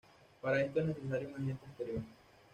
Para esto es necesario un agente exterior.